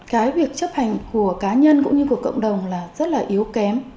cái việc chấp hành của cá nhân cũng như của cộng đồng là rất là yếu kém